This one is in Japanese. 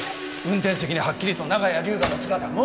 運転席にはっきりと長屋龍河の姿が。